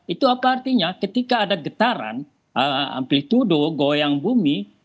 itu apa artinya ketika ada getaran amplitudo goyang bumi